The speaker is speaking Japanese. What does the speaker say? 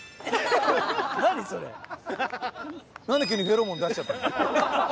なんで急にフェロモン出しちゃったの？